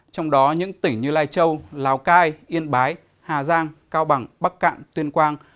trong đó những tỉnh như lai châu lào cai yên bái hà giang cao bằng bắc cạn tuyên quang